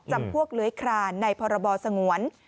จับพวกเหลือคลานในพรบสงวน